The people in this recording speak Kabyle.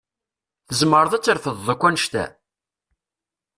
Tzemreḍ ad trefdeḍ akk annect-a?